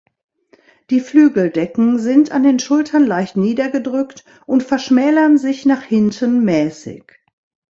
Die Flügeldecken sind an den Schultern leicht niedergedrückt und verschmälern sich nach hinten mäßig.